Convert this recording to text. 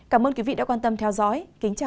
cảm ơn các bạn đã theo dõi